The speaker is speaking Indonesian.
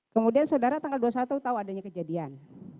kemudian saudara tanggal dua puluh satu tahu adanya kejadian